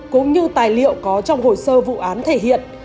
cũng như tài liệu có trong hồ sơ vụ án thể hiện